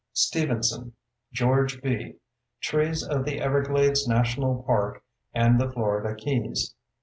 Stevenson, George B. _Trees of the Everglades National Park and the Florida Keys.